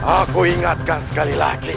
aku ingatkan sekali lagi